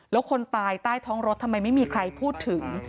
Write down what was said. แล้วคนตายใต้ท้องรถทำไมไม่มีใครพูดถึง